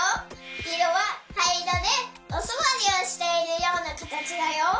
いろははいいろでおすわりをしているようなかたちだよ。